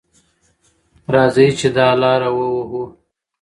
راځئ چې دا لاره ووهو.